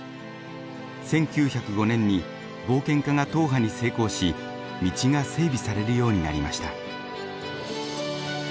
１９０５年に冒険家が踏破に成功し道が整備されるようになりました。